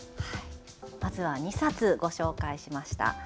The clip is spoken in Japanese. まずは２冊ご紹介しました。